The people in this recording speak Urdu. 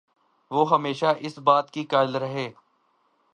وہ ہمیشہ اس بات کے قائل رہے